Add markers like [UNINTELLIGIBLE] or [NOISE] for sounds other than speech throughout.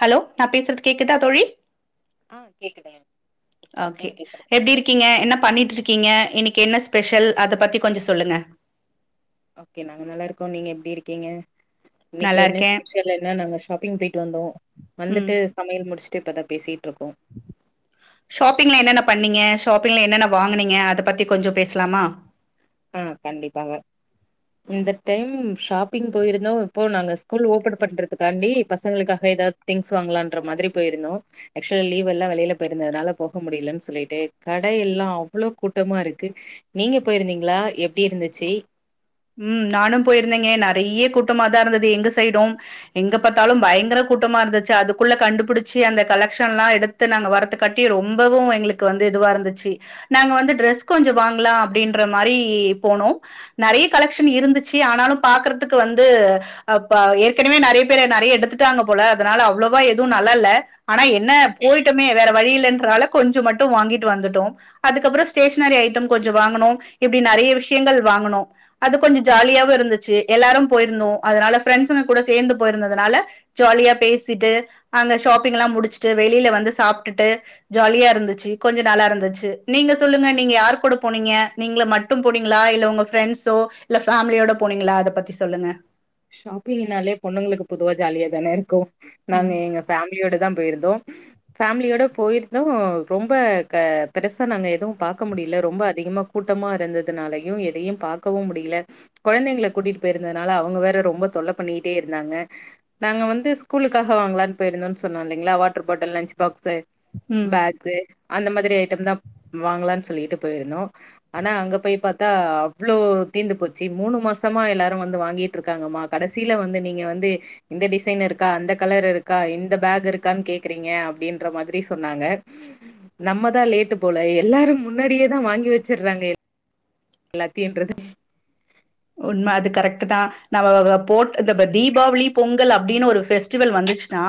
hello நா பேசுறது கேக்குதா தோழி ஆ கேக்குதுங்க ஒகே நீங்க பேசுறது எப்டி கேக்குது இருக்கீங்க என்ன பண்ணிட்டு இருக் கீங்க இன்னைக்கு என்ன ஸ்பெஷல் அத பத்தி கொஞ்சோ சொல்லுங்க ஓகே நாங்க நல்லா இருக்கோ நீங்க எப்டி இருக்கீங்க இன்னைக்கு நல்லா என்ன இருக்கேன் ஸ்பெஷல் என்ன நாங்க ஷாப்பிங் போயிட்டு வந்தோ ம் வந்துட்டு சமயல் முடிச்சுட்டு இப்போதா பேசிட்டு இருக்கோ ஷாப்பிங்ல என்னென்ன பண்ணீங்க ஷாப்பிங்ல என்னென்ன வாங்னீங்க அத பத்தி கொஞ்சோ பேசலாமா ம் கண்டிப்பாங்க இந்த டைம் ஷாப்பிங் போயிருந்தோ இப்போ நாங்க ஸ்கூல் ஓப்பன் பண்றதுக்காண்டி பசங்களுக்காக எதாவது திங்ஸ் வாங்கலான்ற மாதிரி போயிருந்தோ ஆக்சுவல லீவ் எல்லா வெளியில போயிருந்ததுனால போக முடியலன்னு சொல்லிட்டு கட எல்லா அவ்ளோ கூட்டமா இருக்கு நீங்க போயிருந்தீங்களா எப்டி இருந்துச்சு ம் நானு போயிருந்தேங்க நிறைய கூட்டமாதா இருந்தது எங்க சைடும் எங்க பார்த்தாலு பயங்கர கூட்டமா இருந்துச்சு அதுக்குள்ள கண்டுபிடிச்சு அந்த கலெக்ஷன் எல்லா எடுத்து நாங்க வரத்து காட்டி ரொம்பவு எங்களுக்கு வந்து இதுவா இருந்துச்சு நாங்க வந்து ட்ரெஸ் கொஞ்சோ வாங்கலா அப்படின்ற மாதிரி போனோ நெறயா கலெக்ஷன் இருந்துச்சு ஆனாலு பாக்கறதுக்கு வந்து அப்ப ஏற்கனவே நெறைய பேர் நெறைய எடுத்துட்டாங்க போல அதனால அவ்ளவா எதுவு நல்லா இல்ல ஆனா என்ன போயிட்டமே வேற வழியிலன்றனால கொஞ்சோ மட்டு வாங்கிட்டு வந்துட்டோ அதுக்கப்றோ ஸ்டேஷனரி ஐட்டோ கொஞ்சோ வாங்கனோ இப்டி நெறைய விஷயங்கள் வாங்கனோ அது கொஞ்சோ ஜாலியாவு இருந்துச்சு எல்லாரு போயிருந்தோ அதனால ஃப்ரெண்ட்ஸுங்க கூட சேர்ந்து போயிருந்தனால ஜாலியா பேசிட்டு அங்க ஷாப்பிங் எல்லா முடிச்சுட்டு வெளியில வந்து சாப்ட்டுட்டு ஜாலியா இருந்துச்சு கொஞ்சோ நல்லா இருந்துச்சு நீங்க சொல்லுங்க நீங்க யார் கூட போனீங்க நீங்ள மட்டு போனீங்களா இல்ல உங்க ஃப்ரெண்ட்ஸோ இல்ல ஃபேமிலியோட போனீங்களா அத பத்தி சொல்லுங்க ஷாப்பிங்னாலே பொண்ணுங்களுக்கு பொதுவா ஜாலியா தான இருக்கு ம் நாங்க எங்க ஃபேமிலியோடு தா போயிருந்தோ ஃபேமிலியோட போயிருந்தோ ரொம்ப க பெருசா நாங்க எதுவு பார்க்க முடியல ரொம்ப அதிகமாக கூட்டமா இருந்ததுனாலையு எதையு பார்க்கவு முடியல குழந்தைங்கள கூட்டிட்டு போயிருந்ததுனால அவங்க வேற ரொம்ப தொல்ல பண்ணிட்டே இருந்தாங்க நாங்க வந்து ஸ்கூலுக்காக வாங்கலான்னு போயிருந்தேனு சொன்னே இல்லைங்களா வாட்டர் பாட்டில் லன்ச் பாக்ஸு ம் பேக்ஸு அந்த மாதிரி ஐட்டம் தா வாங்கலான்னு சொல்லிட்டு போயிருந்தோ ஆனா அங்க போய் பார்த்தா அவ்ளோ தீந்து போச்சு மூணு மாசமா எல்லாரு வந்து வாங்கிட்டு இருக்க காங்கம்மா கடைசில வந்து நீங்க வந்து இந்த டிசைன் இருக்கா அந்த கலர் இருக்கா இந்த பேக் இருக்கான்னு கேக்கறீங்க அப்டின்ற மாரி சொன்னாங்க நம்ம தா லேட்டு போல எல்லாரு முன்னாடியே தான் வாங்கி வச்சறாங்களே எல்லாத் தின்றது உண்ம அது கரெக்ட் தா நம்ம போட் இந்தப் தீபாவளி பொங்கல் அப்டின்னு ஒரு பெஃஸ்டிவல் வந்துச்சுனா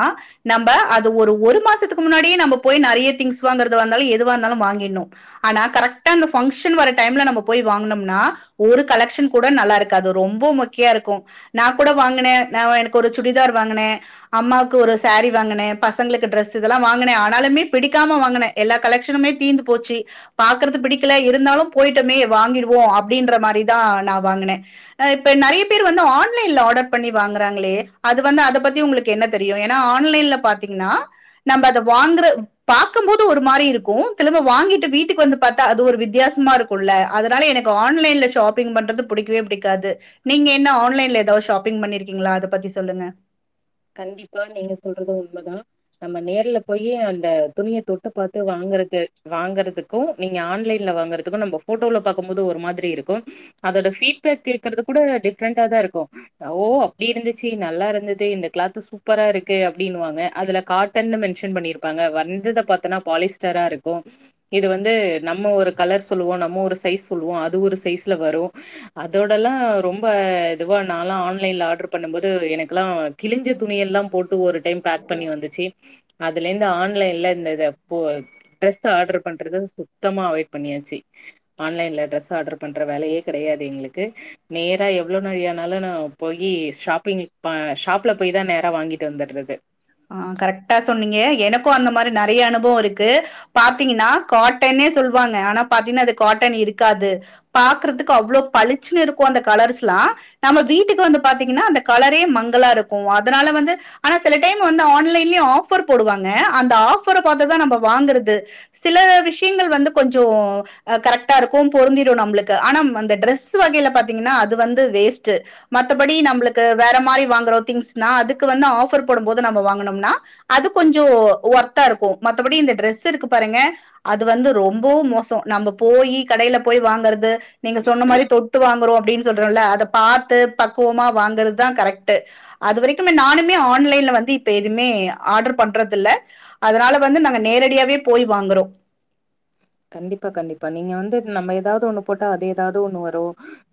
நம்ப அது ஒரு ஒரு மாசத்துக்கு முன்னாடியே நம்ப போயி நெறைய திங்ஸ் வாங்குறது வந்தாலு எதுவாக இருந்தாலு வாங்கிடணு ஆனா கரெக்டா அந்த பங்க்ஷன் வர டைம்ல நம்ம போய் வாங்கனம்னா ஒரு கலெக்ஷன் கூட நல்லா இருக்காது அது ரொம்ப மொக்கைய இருக்கு நான் கூட வாங்கனே நா எனக்கு ஒரு சுடிதார் வாங்கனே அம்மாக்கு ஒரு சாரி வாங்கனே பசங்களுக்கு டிரெஸ் இதெல்லா வாங்கனே ஆனாலுமே பிடிக்காம வாங்கனே எல்லா கலெக்க்ஷனுமே தீந்து போச்சு பாக்குறது பிடிக்கல இருந்தாலு போயிட்டமே வாங்கிடுவோ அப்டின்ற மாதிரிதான் நா வாங்கனே அ இப்ப நெறைய பேர் வந்து ஆன்லைன்ல ஆர்டர் பண்ணி வாங்கறாங்களே அது வந்து அத பத்தி உங்ளுக்கு என்ன தெரியு ஏனா ஆன்லைன்ல பாத்தீங்கனா நம்ப அத வாங்கற பார்க்கும் போது ஒரு மாரி இருக்கு திரும்ப வாங்கிட்டு வீட்டுக்கு வந்து பார்த்தா அது ஒரு வித்தியாசமா இருக்கு உள்ள அதனால எனக்கு ஆன்லைன்ல ஷாப்பிங் பண்றது புடிக்கவே புடிக்காது நீங்க என்ன ஆன்லைன்ல ஏதாவது ஷாப்பிங் பண்ணிருக்கீங்களா அத பத்தி சொல்லுங்க கண்டிப்பா நீங்க சொல்றது உண்மைதா நம்ம நேர்ல போயே அந்த துணிய தொட்டு பார்த்து வாங்கறது வாங்கறதுக்கு நீங்க ஆன்லைன்ல வாங்குறதுக்கு நம்ப போட்டோல பார்க்கு போது ஒரு மாதிரி இருக்கு அதோட ஃபீட்பேக் கேக்கறது கூட டிஃப்ரெண்டா தா இருக்கும் ஓ அப்டி இருந்துச்சு நல்லா இருந்தது இந்த கிளாஸ் சூப்பரா இருக்கு அப்டினுவாங்க அதுல காட்டனு மென்ஷன் பண்ணிருப்பாங்க வந்தத பாத்தன்னா பாலிசி ஸ்டரா இருக்கும் இது வந்து நம்ம ஒரு கலர் சொல்லுவோ நம்ம ஒரு சைஸ் சொல்லுவோ அது ஒரு சைஸ்ல வரு அதோடல்லா ரொம்ப இதுவா நாலா ஆன்லைன்ல ஆர்டர் பண்ணும் போது எனக்குல்லா கிழிஞ்ச துணி எல்லா போட்டு ஒரு டைம் பேக் பண்ணி வந்துச்சு அதுல இருந்து ஆன்லைன்ல இந்த இது ப்ப ட்ரெஸ் ஆர்டர் பண்றது சுத்தமா அவாய்ட் பண்ணியாச்சு ஆன்லைன்ல டிரஸ் ஆர்டர் பண்ற வேலையே கிடையாது எங்களுக்கு நேரா எவ்வளோ நாழி ஆனாலநா போயி ஷாப்பிங் ஷா பால் கூட தா நேரா வாங்கிட்டு வந்துடுறது அ கரெக்டா சொன்னீங்க எனக்கு அந்த மாரி நெறைய அனுபவம் இருக்கு பாத்தீங்கனா காட்டன்னே சொல்லுவாங்க ஆனா பாத்தீங்கனா அது காட்டன் இருக்காது பாக்குறதுக்கு அவ்ளோ பளிச்சுன்னு இருக்கும் அந்த கலர்ஸ்ல்லா நம்ம வீட்டுக்கு வந்து பாத்தீங்கனா அந்த கலரே மங்கலா இருக்கு அதனால வந்து ஆனா சில டைம் வந்து ஆன்லைன்லயு ஆஃபர் போடுவாங்க அந்த ஆஃபரை பாத்துதா நம்ம வாங்கறது சில விஷயங்கள் வந்து கொஞ்சோ அ கரெக்டா இருக்கு பொருந்திடு நம்மளுக்கு ஆனா அந்த டிரெஸ் வகையில பாத்தீங்கன்னா அது வேஸாட் வந்து வேஸ்ட்டு மத்தபடி நம்ளுக்கு வேற மாரி வாங்கற திங்ஸ்னா அதுக்கு வந்து ஆஃபர் போடும்போது நம்ம வாங்கனோம்னா அது கொஞ்சோ ஒர்தா இருக்கு மத்தபடி இந்த டிரெஸ் இருக்கு பாருங்க அது வந்து ரொம்ப மோசம் நம்ம போயி கடயில போய் வாங்கறது நீங்க சொன்ன மாதிரி தொட்டு வாங்குறோ அப்டின்னு சொல்றோ அதபார்த்து பக்குவமா வாங்குறதுதா கரெக்ட் அது வரைக்குமே நானுமே ஆன்லைன்ல வந்து இது இப்ப எதுமே ஆர்டர் பண்றதில்ல அதனால வந்து நாங்க நேரடியாவே போய் வாங்குறோ கண்டிப்பா கண்டிப்பா நீங்க வந்து நம்ம ஏதாவ்து ஒண்ணு போட்டா அது ஏதாவ்து ஒண்ணு வரு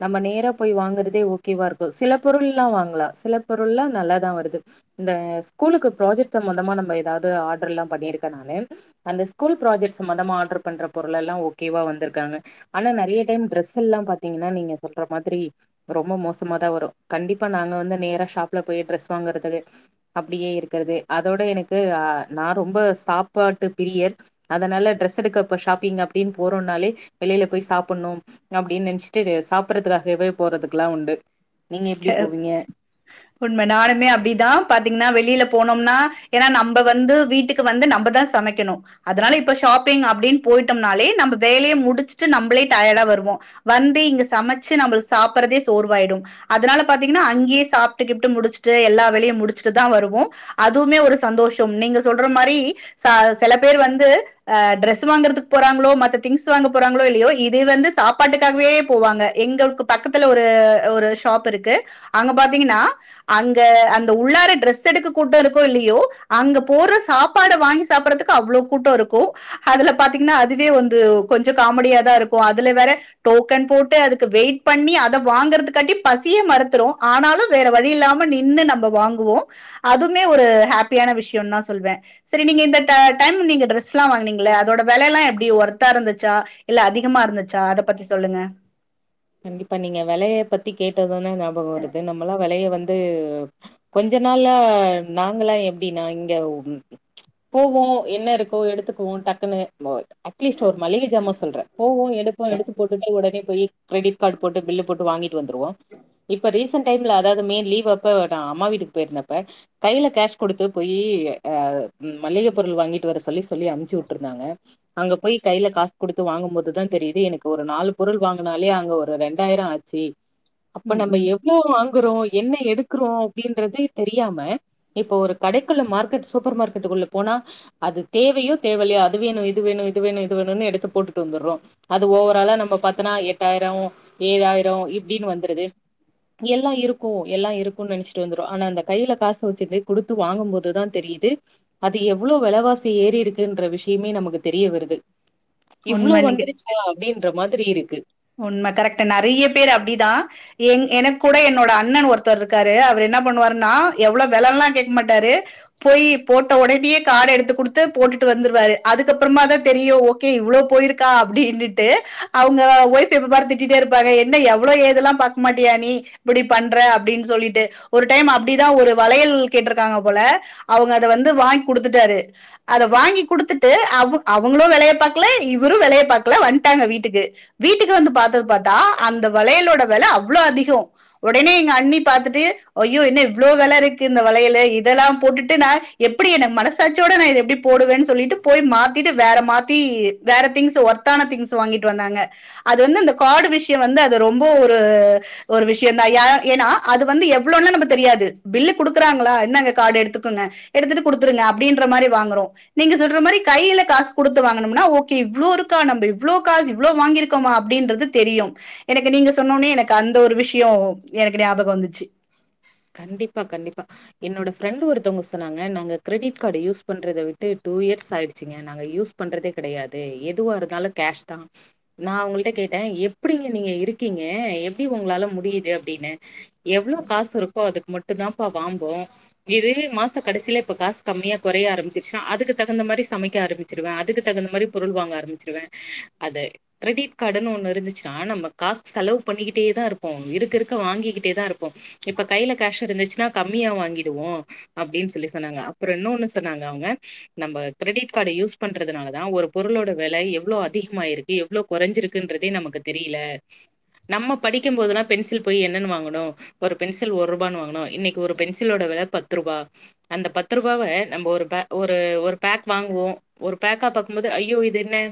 நம்ம நேரா போய் வாங்குறதே ஓகேவா இருக்கூ சில பொருள்லா வாங்லா சில பொருள்லா நல்லாதா வருது இந்த ஸ்கூலுக்கு ப்ராஜெக்ட் சம்மந்தமா நம்ப ஏதாவ்து ஆர்டர்ல்லாம் பண்ணிருக்கேன் நானு அந்த ஸ்கூல் ப்ராஜெக்ட்ஸ் சம்மந்தமா ஆர்டர் பண்ற பொருளல்லா ஓகேவா வந்துருக்காங்க ஆனா நறைய டைம் டிரெஸ்ஸெல்லா எல்லாம் பாத்தீங்கன்னா நீங்க சொல்ற மாதிரி ரொம்ப மோசமாதா வரு கண்டிப்பா நாங்க வந்து நேரா ஷாப்ல போய் ட்ரெஸ் வாங்கறது அப்டியே இருக்கறது அதோட எனக்கு அ நா ரொம்ப சாப்பாட்டு பிரியர் அதனால ட்ரெஸ் எடுக்கப்ப ஷாப்பிங் அப்டின் போறோனாலே வெளில போய் சாப்புண்ணு அப்டின் நெனச்ட்டு சாப்பட்றதுக்காகவே போறதுக்குல்லா உண்டு நீங்க எப்டி போவீங்க [INAUDIBLE] உண்ம நானுமே அப்டிதா பாத்தீங்ன்னா வெளில போனோம்னா ஏன்னா நம்ப வந்து வீட்டுக்கு வந்து நம்பதா சமைக்கணு அதனால இப்ப ஷாப்பிங் அப்டின் போயிட்டம்னாலே நம்ப வேலைய முடிச்சுட்டு நம்ப்ளே டயடா வருவோ வந்து இங்க சமச்சு நம்பளுக்கு சாப்பறதே சோர்வாயிடு அதனால பாத்தீங்ன்னா அங்கயே சாப்ட்டு கீப்ட்டு முடிச்சுட்டு எல்லா வேலையு முடிச்சுட்டு தா வருவோ அதுவ்மே ஒரு சந்தோஷொம் நீங்க சொல்ற மாரி ச செல பேர் வந்து அ ட்ரஸ் வாங்கறதுக்கு போறாங்ளோ மத்த திங்ஸ் வாங்க போறாங்ளோ இல்லயோ இது வந்து சாப்பாட்டுக்காகவே போவாங்க எங்க கு பக்கத்துல ஒரு ஒரு ஷாப் இருக்கு அங்க பாத்தீங்கன்னா அங்க அந்த உள்ளார ட்ரெஸ் எடுக்க கூட்டருக்கோ இல்லயோ அங்க போட்ற சாப்பாட வாங்கி சாப்பறதுக்கு அவ்ளோ கூட்டொ இருக்கூ அதுல பாத்தீங்ன்னா அதுவே வந்து கொஞ்ச காமெடியாதா இருக்கூ அதுல வேற டோக்கன் போட்டு அதுக்கு வெயிட் பண்ணி அத வாங்கறதுக்காட்டி பசியே மறுத்துரு ஆனாலு வேற வழி இல்லாம நின்னு நம்ப வாங்குவோ அதுமே ஒரு ஹேப்பியான விஷயோந்தா சொல்வே செரி நீங்க இந்த ட டைம் நீங்க ட்ரெஸ்ல்லா வாங்கனீங்ள அதோட வெலையெல்லா எப்டி ஒர்த்தா இருந்துச்சா இல்ல அதிகமா இருந்துச்சா அத பத்தி சொல்லுங்க கண்டிப்பா நீங்க வெலைய பத்தி கேட்டதுனே ஞாபகொ வருது நம்பளா வெலைய வந் து கொஞ்ச நாள்ளா நாங்களா எப்டின்னா இங்க ஒ போவோ என்ன இருக்கோ எடுத்துக்குவோ டக்குன்னு [UNINTELLIGIBLE] அட்லீஸ்ட் ஒரு மளிகைசாமான் சொல்ற போவோ எடுப்போ எடுத்து போட்டுட்டு ஒடனே போயி கிரெடிட் கார்டு போட்டு பில்லு போட்டு வாங்கிட்டு வந்துருவோ இப்ப ரீசன்ட் டைம்ல அதாவ்து மே லீவ் அப்ப நா அம்மா வீட்டுக்கு போயிருந்தப்ப கையில கேஷ் கொடுத்து போய் அ மளிகை பொருள் வாங்கிட்டு வர சொல்லி சொல்லி அம்ச்சி வுட்டுருந்தாங்க அங்க போய் கையில காஸ் கொடுத்து வாங்கும் போதுதா தெரியுது எனக்கு ஒரு நாலு பொருள் வாங் ங்னாலே அங்க ஒரு ரெண்டாயிர ஆச்சி அப்ப ம் நம்ப ம் எவ்ளோ வாங்குறோ என்ன எடுக்குறோ அப்டின்றதே தெரியாம இப்போ ஒரு கடைக்குள்ள மார்க்கெட் சூப்பர் மார்க்கெட்டுக்குள்ள போனா அது தேவையோ தேவல்லையோ அது வேணு இது வேணு இது வேணு இது வேணுனு எடுத்து போட்டுட்டு வந்துறோ அது ஓவராலா நம்ம பாத்தோனா எட்டாயிரொ ஏழாயிரொ இப்டின்னு வந்துருது எல்லா இருக்கூ எல்லா இருக்கூனு நெனச்சிட்டு வந்துரு ஆனா அந்த கையில காசு வச்சிட்டு குடுத் து வாங்கம் போதுதா தெரியிது அது எவ்ளோ வெலவாசி ஏறி இருக்குன்ற விஷயமே நமக்கு தெரிய வருது இவ்ளோ உண்ம நீங்க வந்துருச்சா அப்டின்ற மாதிரி இருக்கு உண்ம கரெக்ட் நறைய பேர் அப்டிதா எங் எனக்கூட என்னோட அண்ணன் ஒருத் ஒத்தர் இருக்காரு அவர் என்ன பண்ணுவாருன்னா எவ்ள வெலல்லாம் கேட்க மாட்டாரு போய் போட்ட உடனயே கார்ட் எடுத்து குடுத்து போட்டுட்டு வந்துருவாரு அதுக்கப்றமா தா தெரியும் கே இவ்ள போயிருக்கா அப்டின்னுட்டு அவங்க ஒய் எப்ப பாரு திட்டிட்டே இருப்பாக என்ன எவ்ள ஏதெல்லா பாக்க மாட்டியா நீ இப்டி பண்ற அப்டின்னு சொல்லிட்டு ஒரு டைம் அப்டிதா ஒரு வளையல் கேட்ருக்காங்க போல அவங்க அத வந்து வாங்கி குடுத்துட்டாரு அத வாங்கி குடுத்துட்டு அவ அவங்களும் வெலய பாக்கல இவரும் வெலய பாக்கல வந்துட்டாங்க வீட்டுக்கு வீட்டுக்கு வந்து பாத்தது பாத்தா அந்த வளையலோட விலை அவ்ள அதிகோ ஒடனே எங்க அண்ணி பாத்துட்டு ஐயோ என்ன இவ்ளோ வெல இருக்கு இந்த வளயலு இதல்லாம் போட்டுட்டு நா எப்டி என்ன மனசாச்சோட நா இத எப்டி போடுவேன்னு சொல்லிட்டு போய் மாத்திட்டு வேற மாத்தி வேற திங்ஸ் ஒர்த்தான திங்ஸ் வாங்கிட்டு வந்தாங்க அது வந்து அந்த கார்டு விஷயம் வந்து அது ரொம்ப ஒரு ஒரு விஷயம் தான் ய ஏனா அது வந்து எவ்ளவுன்னுலா நமக்கு தெரியாது பில்லு குடுக்குறாங்களா இன்தாங்க கார்டு எடுத்துக்கங்க எடுத்துட்டு குடுத்துருங்க அப்டின்ற மாரி வாங்கறோ நீங்க சொல்ற மாரி கையில காசு குடுத்து வாங்கனும்னா ஓகே இவ்ளோ இருக்கா ந இவ்ளோ காசு இவ்ளோ வாங்கிருக் குமா அப்டின்றது தெரியும் எனக்கு நீங்க சொன்னுனே எனக்கு அந்த ஒரு விஷயம் எனக்கு ஞாபகம் வந்துச்சு கண்டிப்பா கண்டிப்பா என்னோட ஃபிரெண்ட் ஒருத்தவங்க சொன்னாங்க நாங்க கிரெடிட் கார்டு யூஸ் பண்றத விட்டு டூ இயர்ஸ் ஆயிடுச்சுங்க நாங்க யூஸ் பண்றதே கடையாது எதுவும் இருந்தாலும் கேஷ் தான் நா அவங்கள்ட கேட்டேன் எப்டிங்க நீங்க இருக்கீங்க எப்டி உங்களால முடியுது அப்டின்னு எவ்ளோ காசு இருக்கோ அதுக்கு மட்டும் தான்ம்பா வாம்போ இதுவே மாச கடசில இப்ப காசு கம்மியா குறைய ஆரம்பிச்சிருசா அதுக்கு தகுந்த மாரி சமைக்க ஆரம்பி சிருவன் அதுக்கு தகுந்த மாரி பொருள் வாங்க ஆரம்பிச்சுருவன் அத கிரெட் கார்டுன்னு ஒண்ணு இருந்துச்சுன்னா நம்ம காசு செலவு பண்ணிக்கிட்டே தா இருப்போம் இருக்க இருக்க வாங்கிக்கிட்டே தான் இருப் பம் இப்ப கைல ஃகேஷ் இருந்துச்சுன்னா கம்மியா வாங்கிடுவோம் அப்டின்னு சொல்லி சொன்னாங்க அப்றம் இன்னொன்னு சொன்னாங்க அவங்க நம்ம கிரெடிட் கார்ட யூஸ் பண்றதுனாலதா ஒரு பொருளோட வெல எவ்ளோ அதிகமாயிருக்கு எவ்ளோ குறஞ்சிருக்ன்றதே நமக்கு தெரில நம்ம படிக்கும் போதுலாம் பென்சில் போய் என்னன்னு வாங்குனோம் ஒரு பென்சில் ஒரு ரூபானு வாங்குனோ இன்னிக்கு ஒரு பென்சிலோட வெல பத்து ரூபா அந்த பத்து ரூபாவ நம்ம ஒரு பே ஒரு ஒரு பேக் வாங்குவோ ஒரு பேக்கா பாக்கும் போது ஐயோ இது என்ன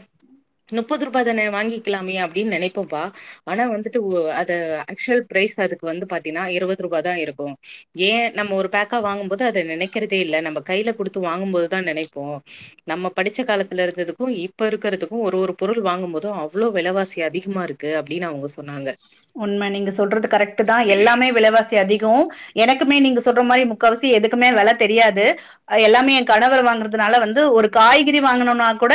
முப்பது ரூபா தானே வாங்கிக்கலாமே அப்டின்னு நெனைப்போபா ஆனா வந்துட்டு ஒ அது ஆக்சுவல் ப்ரைஸ் அதுக்கு வந்து பாத்தீங்கன்னா இருபது ரூபா தா இருக்கு ஏன் நம்ம ஒரு பேக்கா வாங்கும்போது அத நெனக்கறதே இல்ல நம்ம கையில கொடுத்து வாங்கும்போதுதா நெனைப்போ நம்ம படிச்ச காலத்துல இருந்ததுக்கும் இப்ப இருக்கறதுக்கும் ஒரு ஒரு பொருள் வாங்கும் போதும் அவ்ளோ வெலவாசி அதிகமா இருக்கு இருக்கு அப்டின்னு அவங்க சொன்னாங்க உண்ம நீங்க சொல்றது கரெக்ட் தா எல்லாமே விலவாச அதிகம் எனக்குமே நீங்க சொல்ற மாரி முக்காவாசி எதுக்குமே வெல தெரியாது அது எல்லாமே என் கணவர் வாங்கறதுனால வந்து ஒரு காய்கறி வாங்கனுனா கூட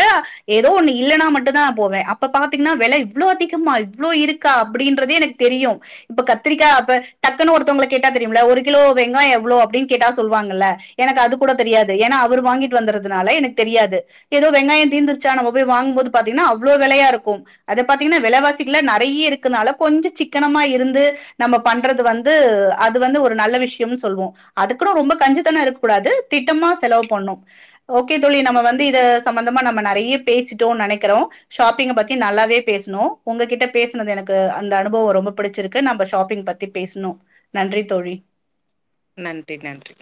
ஏதோ ஒண்ணு இல்லன்னா மட்டும்தான நா போவே அப்ப பாத்தீங்கன்னா வெல இவ்ளோ அதிகமா இவ்ளோ இருக்கா அப்டின்றதே எனக்கு தெரியும் இப்ப கத்திரிக்கா அப்ப டக்குன்னு ஒருத்தவங்களுக்கு கேட்டா தெரியும்ல ஒரு கிலோ வெங்காயம் எவ்ளோ அப்டின்னு கேட்டா சொல்வாங்கல்ல எனக்கு அது கூட தெரியாது ஏனா அவர் வாங்கிட்டு வந்தறதுனால எனக்கு தெரியாது ஏதோ வெங்காயம் தீந்துருச்சா நம்ம போய் வாங்கும் போது பாத்தீங்கன்னா அவ்ளோ வெலயா இருக்கு அத பாத்தீங்ன்னா விலவாசிக்கில நெறைய இருக்கனால கொஞ்ச சிக்கனமா இருந்து நம்ம பண்றது வந்து அது வந்து ஒரு நல்ல விஷயம் சொல்வோ அதுக்குட ரொம்ப கஞ்சத்தன இருக்க கூடாது திடமா செலவு பண்ணு ஓகே தோழி நம்ம வந்து இத சம்பந்தமா நம்ம நெறையே பேசிட்டோ நினைக்கிறோ ஷாப்பிங்க பத்தி நல்லாவே பேசுனோ உங்ககிட்ட பேசுனது எனக் அந்த அனுபவ ரொம்ப பிடிச்சிருக்கு நம்ம ஷாப்பிங் பத்தி பேசுனோ நன்றி தோழி நன்றி நன்றி